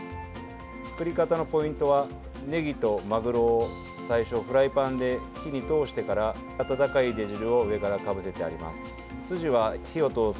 作り方のポイントはねぎとマグロを最初、フライパンで火に通してから温かいだし汁を上からかぶせてあります。